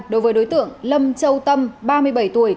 đối với đối tượng lâm châu tâm ba mươi bảy tuổi